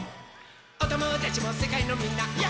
「おともだちもせかいのみんなやっほやっほ」